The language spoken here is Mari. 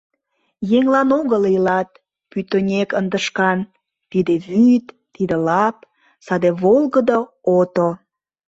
Еҥлан огыл илат, пӱтынек ынде шкан Тиде вӱд, тиде лап, саде волгыдо ото.